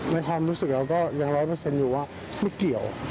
ในความรู้สึกเราก็ยัง๑๐๐อยู่ว่าไม่เกี่ยว